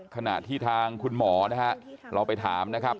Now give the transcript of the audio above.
ขณะที่ทางคุณหมอนะฮะเราไปถามนะครับ